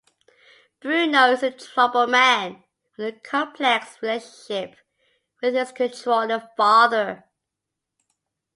Bruno is a troubled man, with a complex relationship with his controlling father.